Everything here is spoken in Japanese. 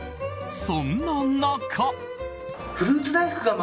そんな中。